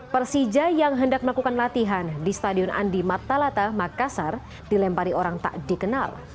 persija yang hendak melakukan latihan di stadion andi matalata makassar dilempari orang tak dikenal